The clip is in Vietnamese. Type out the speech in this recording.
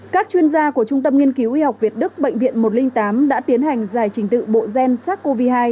các chuyên gia của trung tâm nghiên cứu y học việt đức bệnh viện một trăm linh tám đã tiến hành giải trình tự bộ gen sars cov hai